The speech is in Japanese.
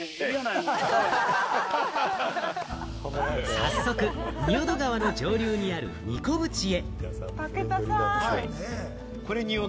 早速、仁淀川の上流にある、にこ淵へ。